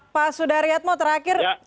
pak sudaryatmo terakhir